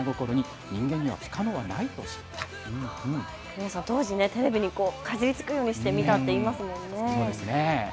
皆さん、当時、テレビにかじりつくようにして見たって言いますよね。